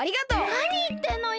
なにいってんのよ！